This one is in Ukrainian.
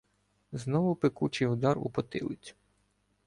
Знову пекучий удар у потилицю.